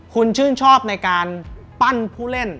คุณชื่นชอบในการปั้นผู้เล่น